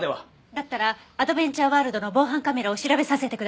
だったらアドベンチャーワールドの防犯カメラを調べさせてください。